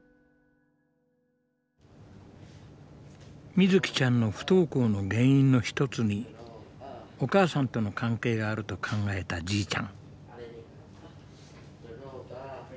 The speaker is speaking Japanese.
みずきちゃんの不登校の原因の一つにお母さんとの関係があると考えたじいちゃん。